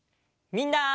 みんな！